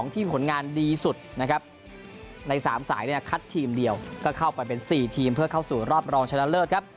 ที่ผลงานดีสุดนะครับใน๓สายเนี่ยคัดทีมเดียวก็เข้าไปเป็น๔ทีมเพื่อเข้าสู่รอบรองชนะเลิศครับ